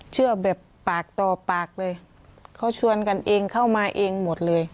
เชื่อแบบปากต่อปากเลยเขาชวนกันเองเข้ามาเองหมดเลย